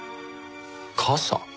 傘？